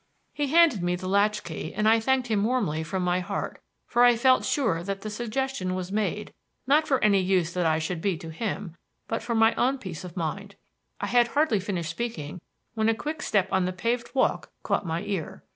He handed me the latch key and I thanked him warmly from my heart, for I felt sure that the suggestion was made, not for any use that I should be to him, but for my own peace of mind. I had hardly finished speaking when a quick step on the paved walk caught my ear.